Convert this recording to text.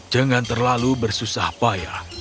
jangan terlalu bersusah payah